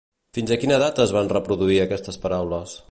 Fins quina data es van reproduir aquestes paraules?